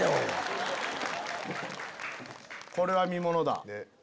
これは見ものだ。